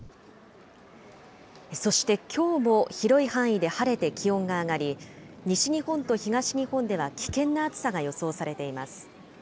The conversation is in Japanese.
そしてきょうも、広い範囲で晴れて気温が上がり、西日本と東日本では危険な暑さが予想されています。